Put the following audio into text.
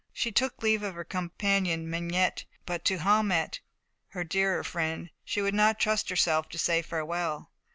She took leave of her companion Mengette, but to Haumette, her dearer friend, she would not trust herself to say farewell.